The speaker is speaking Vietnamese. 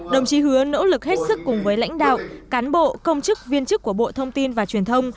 đồng chí hứa nỗ lực hết sức cùng với lãnh đạo cán bộ công chức viên chức của bộ thông tin và truyền thông